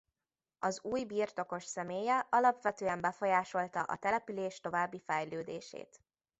Az új birtokos személye alapvetően befolyásolta a település további fejlődését.